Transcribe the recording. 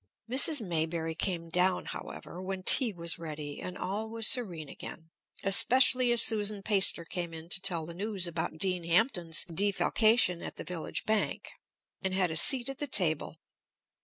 Mrs. Maybury came down, however, when tea was ready, and all was serene again, especially as Susan Peyster came in to tell the news about Dean Hampton's defalcation at the village bank, and had a seat at the table.